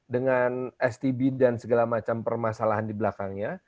dengan stb dan segala macam permasalahan di belakangnya